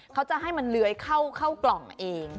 เขาจะให้มันเลื้อยเข้ากล่องเอง